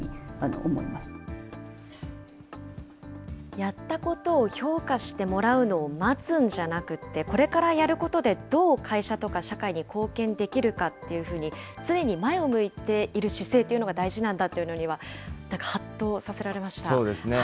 やったことを評価してもらうのを待つんじゃなくて、これからやることでどう会社とか社会に貢献できるかっていうふうに、常に前を向いている姿勢というのが大事なんだというのには、はっそうですね。